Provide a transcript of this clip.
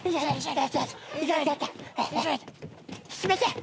すいません。